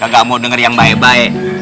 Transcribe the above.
gak mau denger yang baik baik